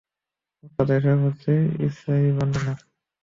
মোটকথা, এসব হচ্ছে ইসরাঈলী বর্ণনা।